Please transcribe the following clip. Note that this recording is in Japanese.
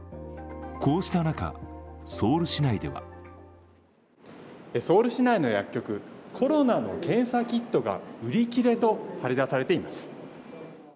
こうした中、ソウル市内ではソウル市内の薬局、コロナの検査キットが売り切れと貼り出されています。